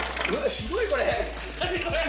すごいこれ。